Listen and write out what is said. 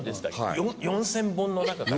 ４０００本の中から？